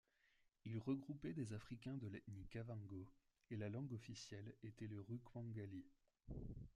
Il regroupait des africains de l'ethnie Kavango et la langue officielle était le RuKwangali.